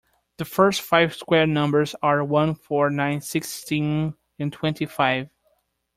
The first five square numbers are one, four, nine, sixteen and twenty-five